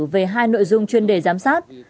về hai nội dung chuyên đề giám sát